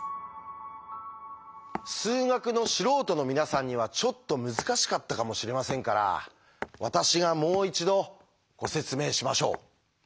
数学の素人の皆さんにはちょっと難しかったかもしれませんから私がもう一度ご説明しましょう。